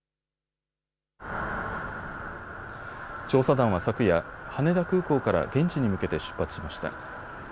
調査団は昨夜、羽田空港から現地に向けて出発しました。